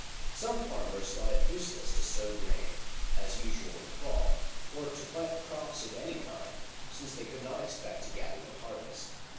Some farmers thought it useless to sow grain, as usual in the fall, or to plant crops of any kind, since they could not expect to gather the harvest.